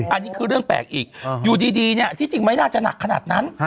อันนี้คือเรื่องแปลกอีกอยู่ดีที่จริงไม่น่าจะหนักขนาดนั้น